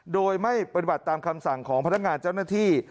โดยไม่ปฏิบัติตามคำสั่งของพนักงานเจ้าหน้าที่